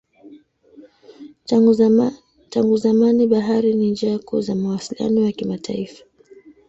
Tangu zamani bahari ni njia kuu za mawasiliano ya kimataifa.